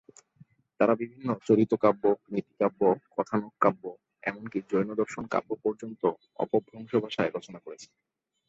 তাঁরা বিভিন্ন চরিতকাব্য, নীতিকাব্য, কথানক কাব্য, এমনকি জৈনদর্শন পর্যন্ত অপভ্রংশ ভাষায় রচনা করেছেন।